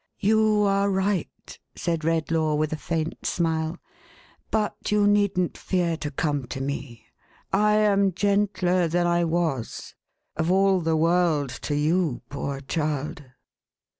" You are right," said Redlaw, with a faint smile. " But you needn't fear to come to me. I am gentler than I was. Of all the world, to you, poor child